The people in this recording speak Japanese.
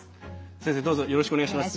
先生、どうぞよろしくお願いします。